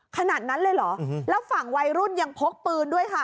ขนาดนั้นเลยเหรอแล้วฝั่งวัยรุ่นยังพกปืนด้วยค่ะ